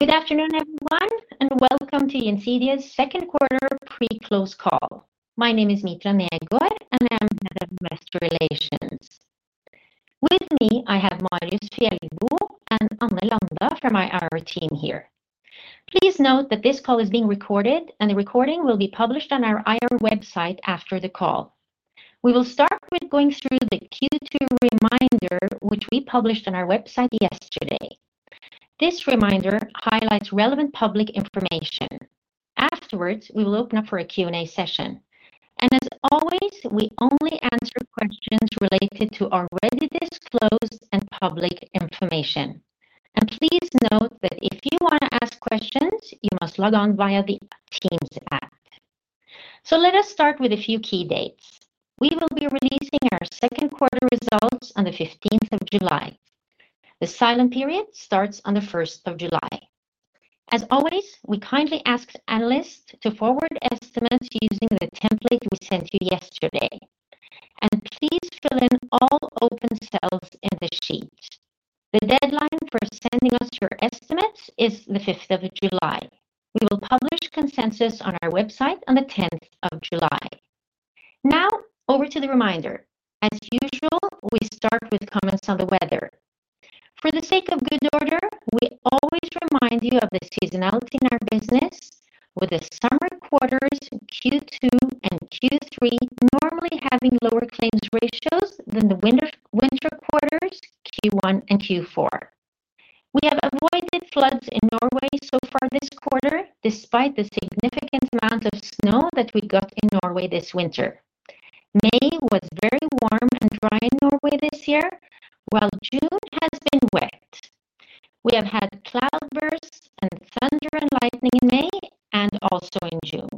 Okay. Good afternoon, everyone, and welcome to Gjensidige's second quarter pre-close call. My name is Mitra Negård, and I'm the head of investor relations. With me, I have Marius J. Fjellbu and Anne Landa from our team here. Please note that this call is being recorded, and the recording will be published on our IR website after the call. We will start with going through the Q2 reminder, which we published on our website yesterday. This reminder highlights relevant public information. Afterwards, we will open up for a Q&A session, and as always, we only answer questions related to already disclosed and public information. Please note that if you want to ask questions, you must log on via the Teams app. Let us start with a few key dates. We will be releasing our second quarter results on the fifteenth of July. The silent period starts on the first of July. As always, we kindly ask analysts to forward estimates using the template we sent you yesterday, and please fill in all open cells in the sheet. The deadline for sending us your estimates is the fifth of July. We will publish consensus on our website on the tenth of July. Now, over to the reminder. As usual, we start with comments on the weather. For the sake of good order, we always remind you of the seasonality in our business with the summer quarters, Q2 and Q3, normally having lower claims ratios than the winter, winter quarters, Q1 and Q4. We have avoided floods in Norway so far this quarter, despite the significant amount of snow that we got in Norway this winter. May was very warm and dry in Norway this year, while June has been wet. We have had cloudbursts and thunder and lightning in May and also in June.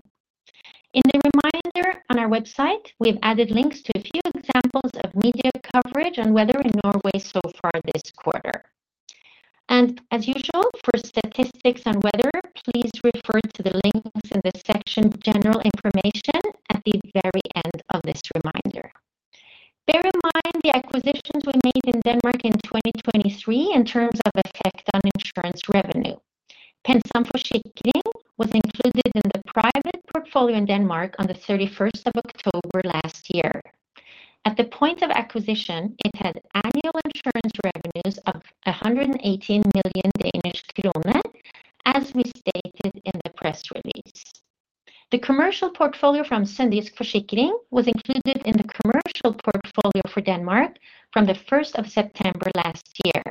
In the reminder on our website, we've added links to a few examples of media coverage on weather in Norway so far this quarter. And as usual, for statistics on weather, please refer to the links in the section General Information at the very end of this reminder. Bear in mind the acquisitions we made in Denmark in 2023 in terms of effect on insurance revenue. PenSam Forsikring was included in the private portfolio in Denmark on the 31st of October last year. At the point of acquisition, it had annual insurance revenues of 118 million Danish krone, as we stated in the press release. The commercial portfolio from Sønderjysk Forsikring was included in the commercial portfolio for Denmark from the 1st of September last year.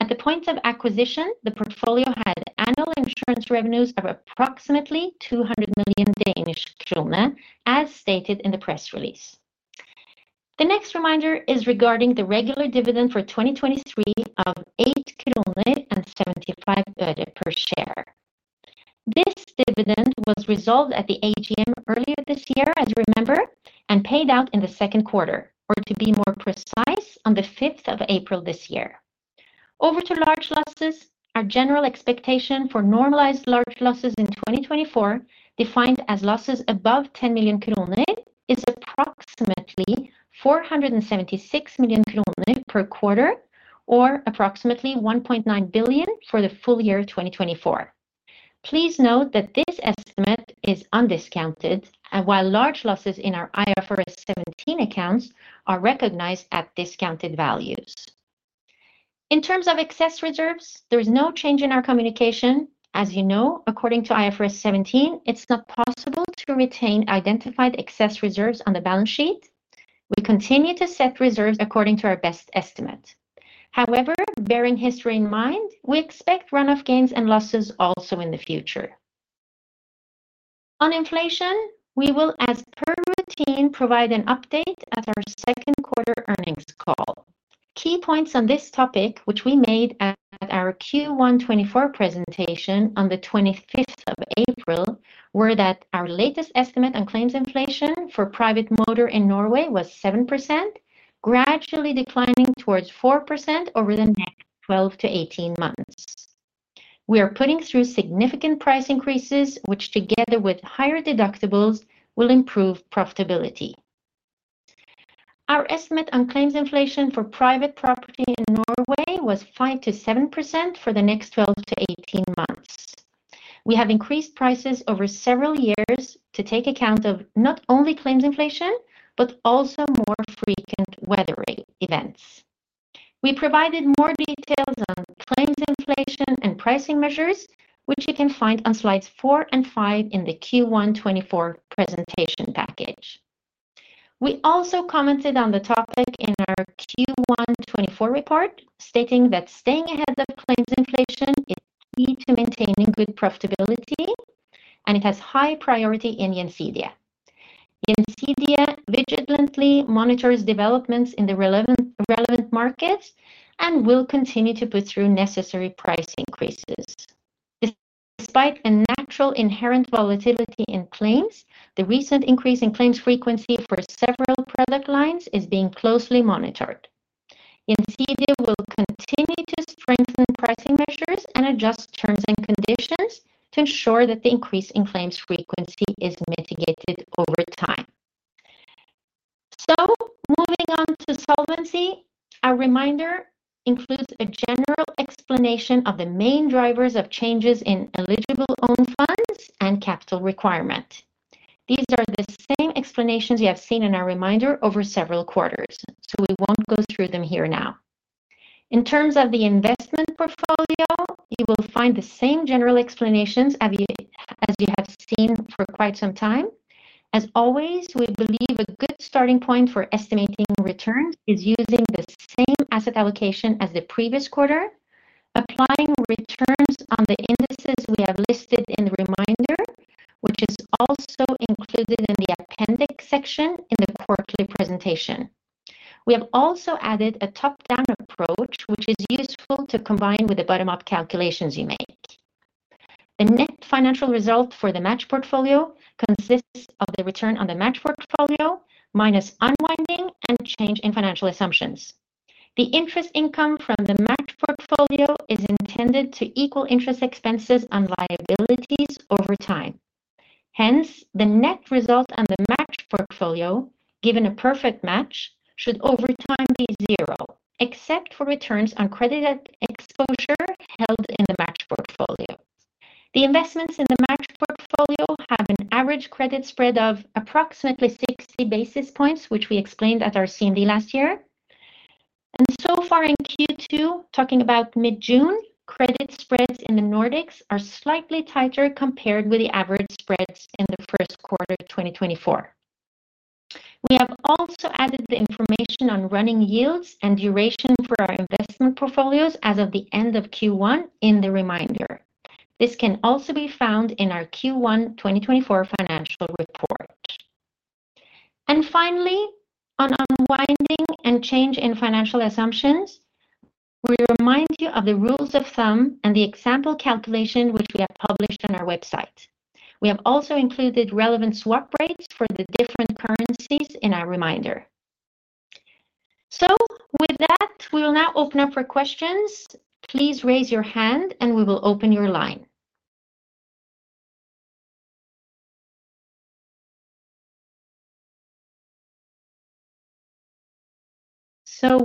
At the point of acquisition, the portfolio had annual insurance revenues of approximately 200 million Danish kroner, as stated in the press release. The next reminder is regarding the regular dividend for 2023 of 8.75 krone per share. This dividend was resolved at the AGM earlier this year, as you remember, and paid out in the second quarter, or to be more precise, on the fifth of April this year. Over to large losses, our general expectation for normalized large losses in 2024, defined as losses above 10 million kroner, is approximately 476 million kroner per quarter, or approximately 1.9 billion for the full year of 2024. Please note that this estimate is undiscounted, and while large losses in our IFRS 17 accounts are recognized at discounted values. In terms of excess reserves, there is no change in our communication. As you know, according to IFRS 17, it's not possible to retain identified excess reserves on the balance sheet. We continue to set reserves according to our best estimate. However, bearing history in mind, we expect run-off gains and losses also in the future. On inflation, we will, as per routine, provide an update at our second quarter earnings call. Key points on this topic, which we made at our Q1 2024 presentation on the 25th of April, were that our latest estimate on claims inflation for private motor in Norway was 7%, gradually declining towards 4% over the next 12 to 18 months. We are putting through significant price increases, which, together with higher deductibles, will improve profitability. Our estimate on claims inflation for private property in Norway was 5%-7% for the next 12-18 months. We have increased prices over several years to take account of not only claims inflation, but also more frequent weather events. We provided more details on claims inflation and pricing measures, which you can find on slides 4 and 5 in the Q1 2024 presentation package. We also commented on the topic in our Q1 2024 report, stating that staying ahead of claims inflation is key to maintaining good profitability, and it has high priority in Gjensidige. Gjensidige vigilantly monitors developments in the relevant markets and will continue to put through necessary price increases. Despite a natural inherent volatility in claims, the recent increase in claims frequency for several product lines is being closely monitored. Gjensidige will continue to strengthen pricing measures and adjust terms and conditions to ensure that the increase in claims frequency is mitigated over time. So moving on to solvency, our reminder includes a general explanation of the main drivers of changes in eligible own funds and capital requirement. These are the same explanations you have seen in our reminder over several quarters, so we won't go through them here now. In terms of the investment portfolio, you will find the same general explanations as you have seen for quite some time. As always, we believe a good starting point for estimating returns is using the same asset allocation as the previous quarter, applying returns on the indices we have listed in the reminder, which is also included in the appendix section in the quarterly presentation. We have also added a top-down approach, which is useful to combine with the bottom-up calculations you make. The net financial result for the match portfolio consists of the return on the match portfolio, minus unwinding and change in financial assumptions. The interest income from the match portfolio is intended to equal interest expenses on liabilities over time. Hence, the net result on the match portfolio, given a perfect match, should over time be zero, except for returns on credited exposure held in the match portfolio. The investments in the match portfolio have an average credit spread of approximately 60 basis points, which we explained at our CMD last year. So far in Q2, talking about mid-June, credit spreads in the Nordics are slightly tighter compared with the average spreads in the first quarter of 2024. We have also added the information on running yields and duration for our investment portfolios as of the end of Q1 in the reminder. This can also be found in our Q1 2024 financial report. Finally, on unwinding and change in financial assumptions, we remind you of the rules of thumb and the example calculation, which we have published on our website. We have also included relevant swap rates for the different currencies in our reminder. With that, we will now open up for questions. Please raise your hand, and we will open your line.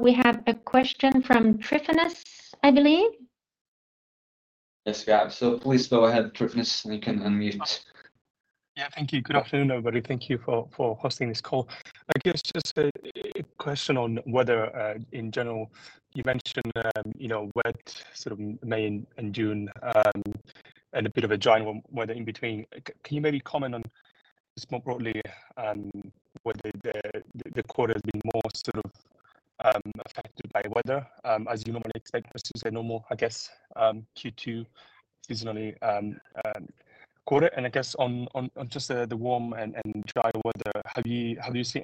We have a question from Tryfonas, I believe. Yes, got it. So please go ahead, Tryfonas, and you can unmute. Yeah, thank you. Good afternoon, everybody. Thank you for hosting this call. I guess just a question on weather in general. You mentioned, you know, wet sort of May and June, and a bit of a dry one, weather in between. Can you maybe comment on just more broadly whether the quarter has been more sort of affected by weather as you normally expect versus a normal, I guess, Q2 seasonally quarter? And I guess on just the warm and dry weather, have there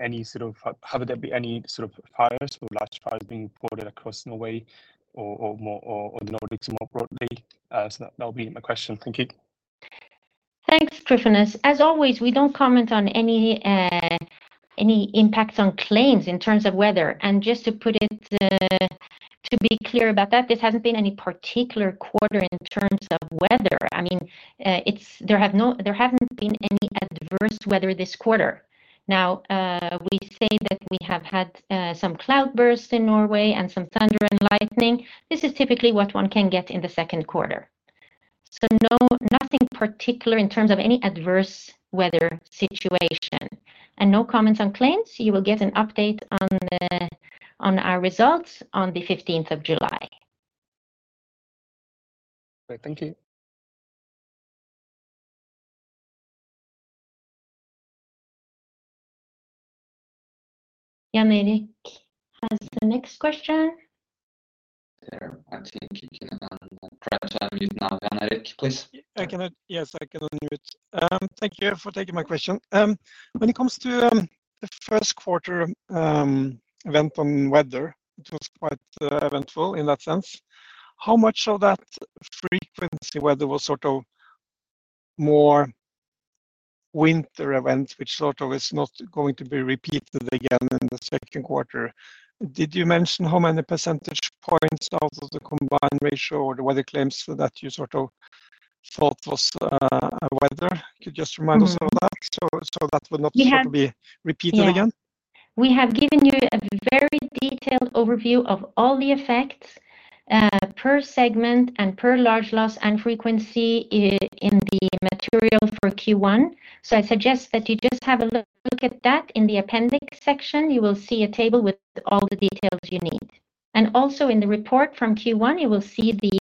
been any sort of fires or large fires being reported across Norway or more Nordics more broadly? So that will be my question. Thank you. Thanks, Trifinus. As always, we don't comment on any impacts on claims in terms of weather. And just to put it to be clear about that, this hasn't been any particular quarter in terms of weather. I mean, it's... There haven't been any adverse weather this quarter. Now, we say that we have had some cloudburst in Norway and some thunder and lightning. This is typically what one can get in the second quarter. So no, nothing particular in terms of any adverse weather situation and no comments on claims. You will get an update on our results on the fifteenth of July. Great. Thank you. Jan Erik has the next question. Yeah. I think you can, perhaps unmute now, Jan Erik, please. I can. Yes, I can unmute. Thank you for taking my question. When it comes to the first quarter event on weather, it was quite eventful in that sense. How much of that frequency, weather was sort of more winter events, which sort of is not going to be repeated again in the second quarter? Did you mention how many percentage points out of the combined ratio or the weather claims that you sort of thought was weather? Could you just remind us of that? Mm-hmm. So that would not sort of be repeated again? Yeah. We have given you a very detailed overview of all the effects per segment and per large loss and frequency in the material for Q1. So I suggest that you just have a look at that in the appendix section. You will see a table with all the details you need. Also in the report from Q1, you will see the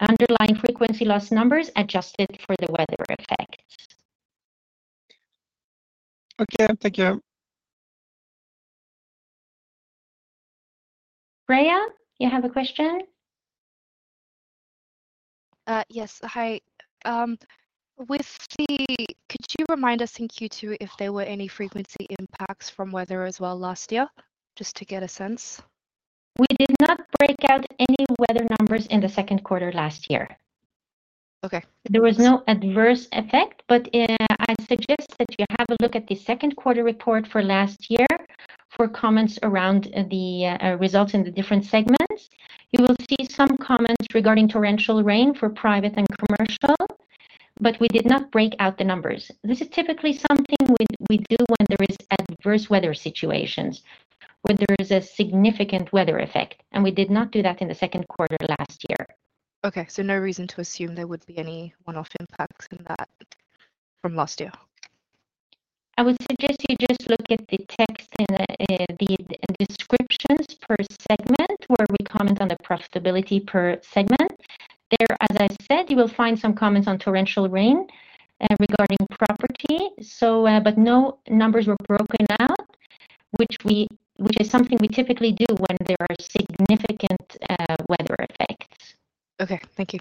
underlying frequency loss numbers adjusted for the weather effects. Okay. Thank you. Freya, you have a question? Yes. Hi. Could you remind us in Q2 if there were any frequency impacts from weather as well last year, just to get a sense? We did not break out any weather numbers in the second quarter last year. Okay. There was no adverse effect, but I suggest that you have a look at the second quarter report for last year for comments around the results in the different segments. You will see some comments regarding torrential rain for private and commercial, but we did not break out the numbers. This is typically something we do when there is adverse weather situations, when there is a significant weather effect, and we did not do that in the second quarter last year. Okay, so no reason to assume there would be any one-off impacts in that from last year? I would suggest you just look at the text and the descriptions per segment, where we comment on the profitability per segment. There, as I said, you will find some comments on torrential rain regarding property. But no numbers were broken out, which is something we typically do when there are significant weather effects. Okay, thank you.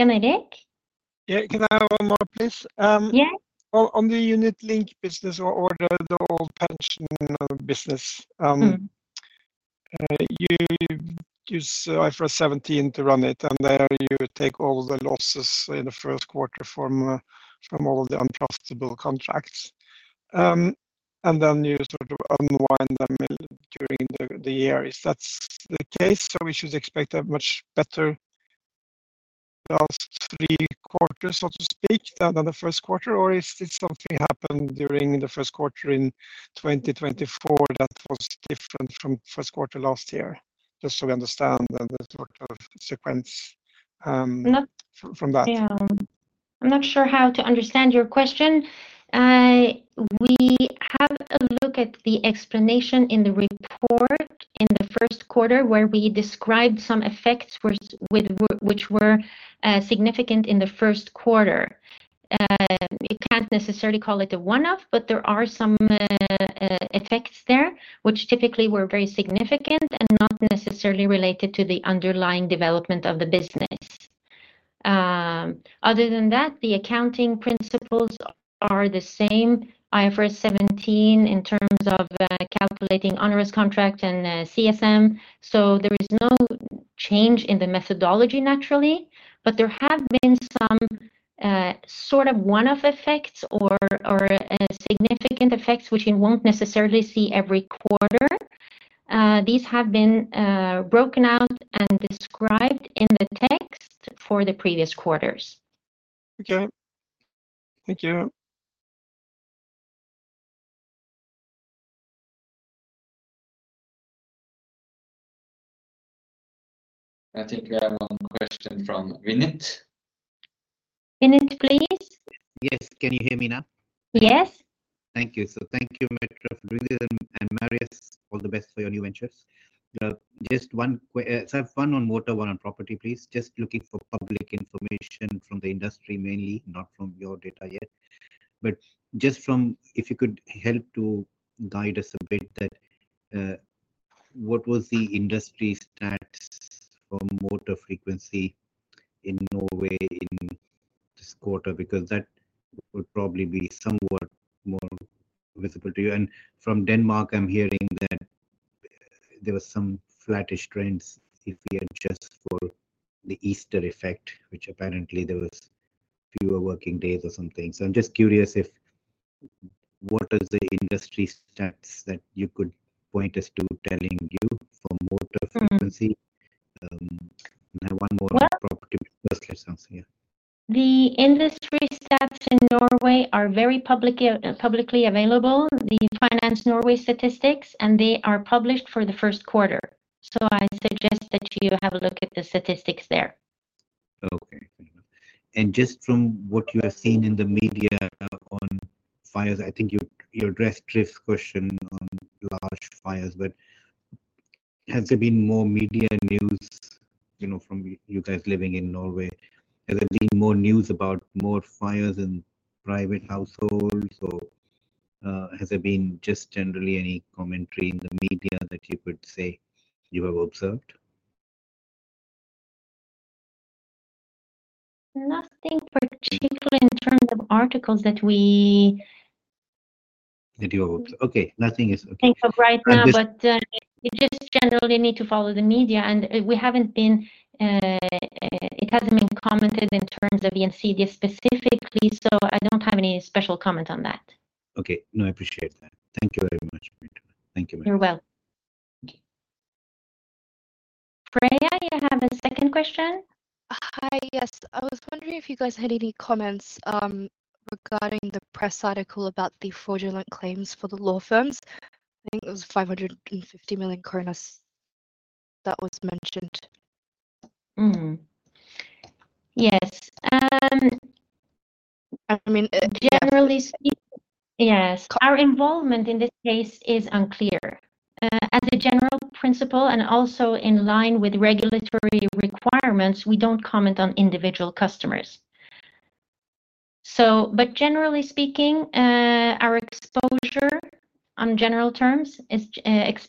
Jan-Erik? Yeah, can I have one more, please? Yeah. On the unit link business or the old pension business- Mm. You use IFRS 17 to run it, and there you take all the losses in the first quarter from, from all the unprofitable contracts. And then you sort of unwind them during the, the year. If that's the case, so we should expect a much better last three quarters, so to speak, than, than the first quarter, or if did something happen during the first quarter in 2024 that was different from first quarter last year? Just so we understand the sort of sequence. I'm not- From that. Yeah. I'm not sure how to understand your question. We have a look at the explanation in the report in the first quarter, where we described some effects which were significant in the first quarter. You can't necessarily call it a one-off, but there are some effects there, which typically were very significant and not necessarily related to the underlying development of the business. Other than that, the accounting principles are the same. IFRS 17, in terms of calculating onerous contract and CSM, so there is no change in the methodology naturally, but there have been some sort of one-off effects or significant effects, which you won't necessarily see every quarter. These have been broken out and described in the text for the previous quarters. Okay. Thank you. I think we have one question from Vinit. Vinit, please. Yes, can you hear me now? Yes. Thank you. So thank you, Mitra, Gryder, and Marius. All the best for your new ventures. Just one, so I have one on motor, one on property, please. Just looking for public information from the industry, mainly, not from your data yet. But just from... if you could help to guide us a bit, that, what was the industry stats for motor frequency in Norway in this quarter? Because that would probably be somewhat more visible to you. And from Denmark, I'm hearing that there was some flattish trends, if we adjust for the Easter effect, which apparently there was fewer working days or something. So I'm just curious if, what is the industry stats that you could point us to telling you for motor frequency? Mm. And then one more on property. Well- First comes, yeah. The industry stats in Norway are very publicly available, the Finance Norway statistics, and they are published for the first quarter. So I suggest that you have a look at the statistics there. Okay. Thank you. And just from what you have seen in the media on fires, I think you addressed Triff's question on large fires, but has there been more media news, you know, from you guys living in Norway? Has there been more news about more fires in private households, or has there been just generally any commentary in the media that you could say you have observed? Nothing particular in terms of articles that we- That you observed. Okay, nothing is okay. I think of right now- And just- But, you just generally need to follow the media, and, we haven't been... It hasn't been commented in terms of Gjensidige specifically, so I don't have any special comment on that. Okay. No, I appreciate that. Thank you very much, Mitra. Thank you very much. You're welcome. Freya, you have a second question? Hi. Yes. I was wondering if you guys had any comments regarding the press article about the fraudulent claims for the law firms. I think it was 550 million kroner that was mentioned. Mm-hmm. Yes, I mean, yes. Yes. Our involvement in this case is unclear. As a general principle, and also in line with regulatory requirements, we don't comment on individual customers. So, but generally speaking, our exposure on general terms is limited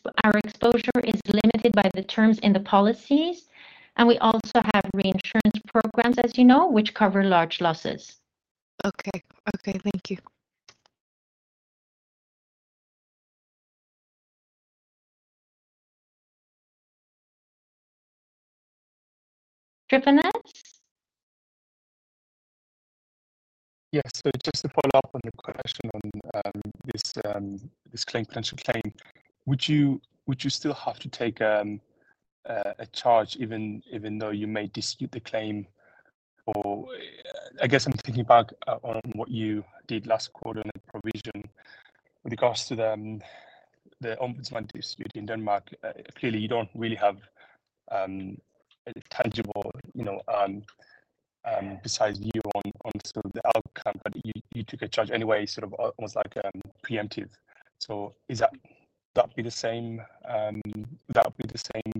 by the terms in the policies, and we also have reinsurance programs, as you know, which cover large losses. Okay. Okay, thank you. Trifanus? Yes. So just to follow up on the question on this claim, potential claim, would you still have to take a charge, even though you may dispute the claim? Or I guess I'm thinking back on what you did last quarter on the provision with regards to the ombudsman dispute in Denmark. Clearly, you don't really have a tangible, you know, bet on sort of the outcome, but you took a charge anyway, sort of almost like preemptive. So is that the same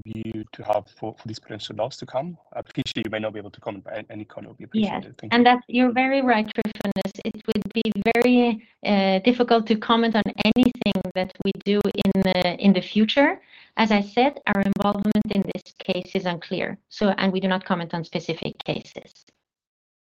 view to have for these potential losses to come? Particularly, you may not be able to comment, but any comment would be appreciated. Thank you. Yeah, and that you're very right, Trifanus. It would be very difficult to comment on anything that we do in the future. As I said, our involvement in this case is unclear, so and we do not comment on specific cases.